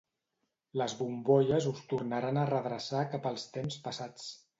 Les bombolles us tornaran a redreçar cap als temps passats.